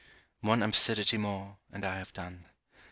One absurdity more, and I have done.